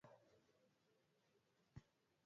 vipindi mbalimbali kutokea mjini Monrovia, Liberia